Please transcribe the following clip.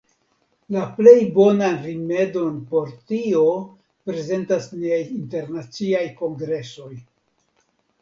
La plej bonan rimedon por tio prezentas niaj internaciaj kongresoj.